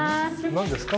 何ですか？